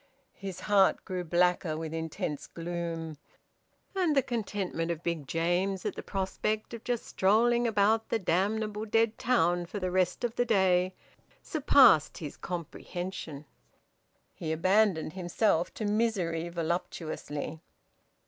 His heart grew blacker with intense gloom; and the contentment of Big James at the prospect of just strolling about the damnable dead town for the rest of the day surpassed his comprehension. He abandoned himself to misery voluptuously.